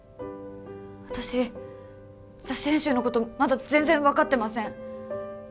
私雑誌編集のことまだ全然分かってません